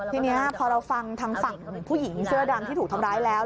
ทีนี้พอเราฟังทางฝั่งผู้หญิงเสื้อดำที่ถูกทำร้ายแล้ว